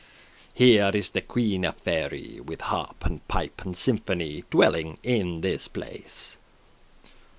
Here is the Queen of Faery, With harp, and pipe, and symphony, Dwelling in this place."